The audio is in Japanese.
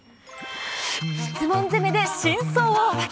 質問攻めで真相を暴け。